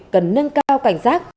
cần nâng cao cảnh giác